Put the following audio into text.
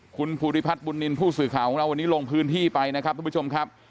คุณภูริพัฒน์บุญนินทร์ผู้สื่อข่าวของเราวันนี้ลงพื้นที่ไปนะครับทุกผู้ชมครับ